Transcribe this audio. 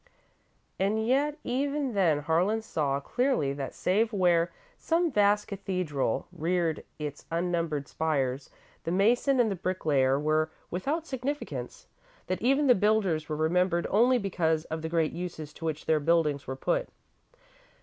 And yet, even then, Harlan saw clearly that save where some vast cathedral reared its unnumbered spires, the mason and the bricklayer were without significance; that even the builders were remembered only because of the great uses to which their buildings were put.